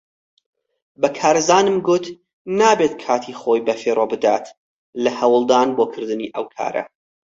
بە کارزانم گوت نابێت کاتی خۆی بەفیڕۆ بدات لە هەوڵدان بۆ کردنی ئەو کارە.